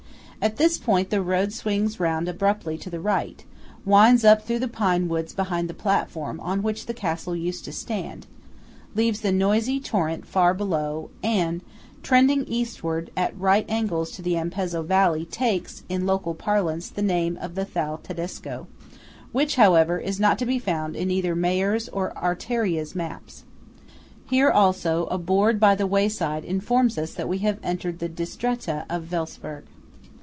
At this point the road swings round abruptly to the right; winds up through pine woods behind the platform on which the castle used to stand; leaves the noisy torrent far below; and, trending eastward at right angles to the Ampezzo valley takes, in local parlance, the name of the Thal Tedesco–which, however, is not to be found in either Mayr's or Artaria's maps. Here, also, a board by the wayside informs us that we have entered the "Distretta" of Welsperg.